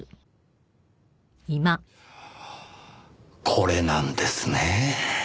これなんですね。